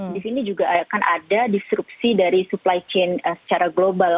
di sini juga akan ada disrupsi dari supply chain secara global